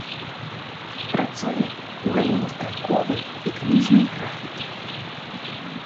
Працуе ў галіне станковай і кніжнай графікі.